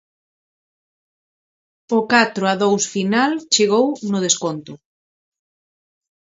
O catro a dous final chegou no desconto.